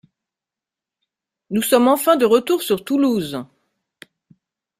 Nous sommes enfin de retour sur Toulouse.